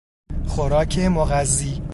خوراک مغذی